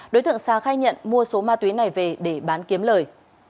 đối tượng sà khai nhận mua số ma túy này về để bán kiếm lời